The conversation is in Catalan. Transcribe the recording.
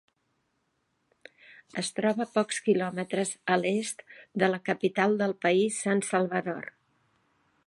Es troba a pocs quilòmetres a l'est de la capital del país, San Salvador.